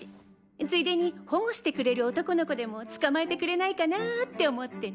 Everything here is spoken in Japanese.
ついでに保護してくれる男の子でもつかまえてくれないかなって思ってね。